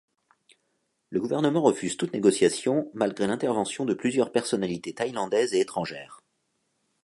Le gouvernement refuse toute négociation, malgré l'intervention de plusieurs personnalités thaïlandaises et étrangères.